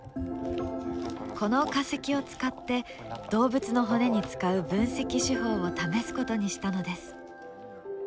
この化石を使って動物の骨に使う分析手法を試すことにしたのです。